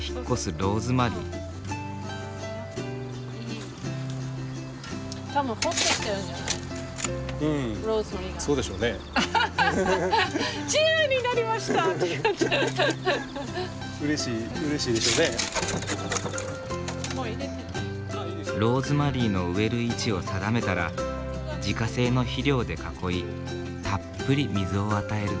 ローズマリーの植える位置を定めたら自家製の肥料で囲いたっぷり水を与える。